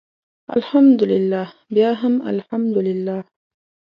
الحمدلله بیا هم الحمدلله.